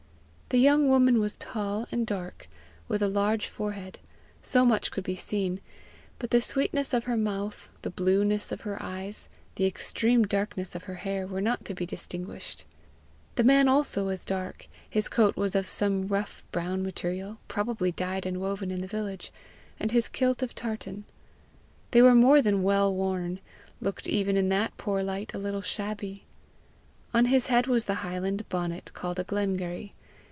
The young woman was tall and dark, with a large forehead: so much could be seen; but the sweetness of her mouth, the blueness of her eyes, the extreme darkness of her hair, were not to be distinguished. The man also was dark. His coat was of some rough brown material, probably dyed and woven in the village, and his kilt of tartan. They were more than well worn looked even in that poor light a little shabby. On his head was the highland bonnet called a glengarry.